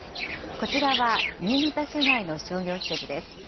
こちらは新潟市内の商業施設です。